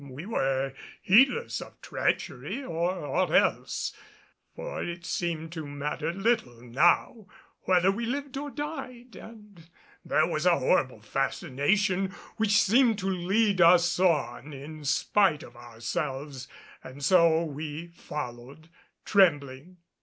We were heedless of treachery or aught else, for it seemed to matter little now whether we lived or died, and there was a horrible fascination which seemed to lead us on in spite of ourselves. And so we followed, trembling.